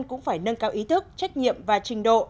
cũng phải nâng cao ý thức trách nhiệm và trình độ